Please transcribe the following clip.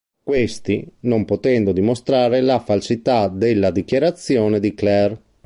Questi, non potendo dimostrare la falsità della dichiarazione di Claire.